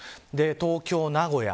東京、名古屋